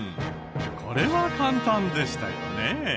これは簡単でしたよね。